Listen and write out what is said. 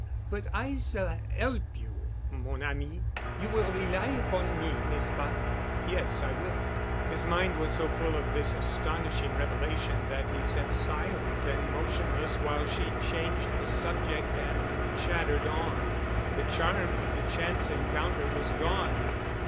But I s'all 'elp you, mon ami. You will rely upon me, n'est ce pas?" "Yes, I will." His mind was so full of this astonishing revelation that he sat silent and motionless while she changed the subject and chattered on. The charm of the chance encounter was gone.